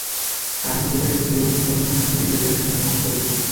কারণ, থিয়েটারে ঢুকে লোকজন ইদানীং মুঠোফোনে ভিডিও করে নেন মঞ্চ পরিবেশনা।